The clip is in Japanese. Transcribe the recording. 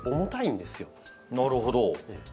なるほど。